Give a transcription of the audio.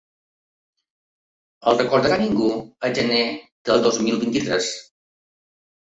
El recordarà ningú el gener del dos mil vint-i-tres?